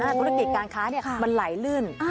ธุรกิจการค้ามันไหลลื่น